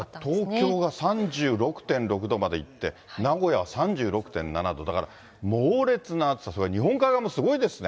東京が３６．６度までいって、名古屋３６．７度、だから猛烈な暑さ、それから日本海側もすごいですね。